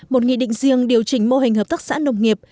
một nghị định riêng điều chỉnh mô hình hợp tác xã nông nghiệp